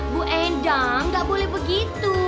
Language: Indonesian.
bu endang gak boleh begitu